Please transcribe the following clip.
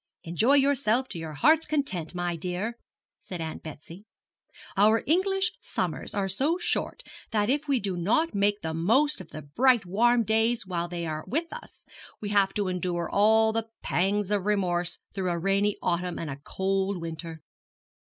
'Enjoy yourself to your heart's content, my dear,' said Aunt Betsy. 'Our English summers are so short that if we do not make the most of the bright warm days while they are with us, we have to endure all the pangs of remorse through a rainy autumn and a cold winter.'